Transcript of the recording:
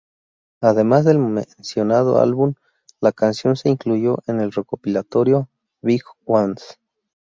Además del mencionado álbum, la canción se incluyó en el recopilatorio "Big Ones".